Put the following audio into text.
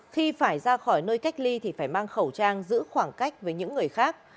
khi phải ra khỏi nơi cách ly thì phải mang khẩu trang giữ khoảng cách với những người khác